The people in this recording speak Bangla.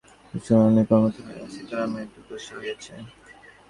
উদয়াদিত্য শুনিলেন, কর্মচ্যুত হইয়া সীতারামের দুর্দশা হইয়াছে।